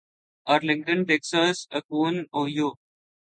Arlington Texas Akron Ohio